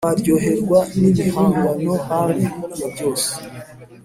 waryoherwa n’ibihangano hafi ya byose